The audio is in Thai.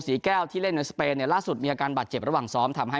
แก้วที่เล่นในสเปนเนี่ยล่าสุดมีอาการบาดเจ็บระหว่างซ้อมทำให้